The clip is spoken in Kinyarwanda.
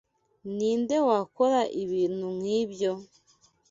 Ninde wakora ibintu nkibyo?